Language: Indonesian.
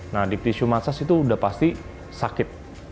nah deep tissue massage itu udah pasti sakit